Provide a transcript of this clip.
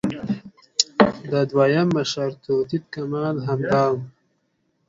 د دویم مشروطیت کمال همدا و.